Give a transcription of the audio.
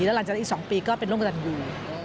แล้วหลังจากนั้นอีก๒ปีก็เป็นร่วมกระตันอยู่